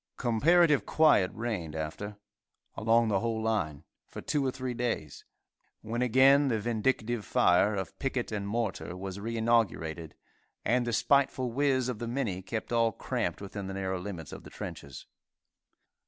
Comparative quiet reigned after, along the whole line, for two or three days, when again the vindictive fire of picket and mortar was re inaugurated, and the spiteful whiz of the minnie kept all cramped within the narrow limits of the trenches.